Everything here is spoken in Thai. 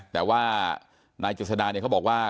แต่ว่านายเจษดาเนี่ยเขาบอกว่า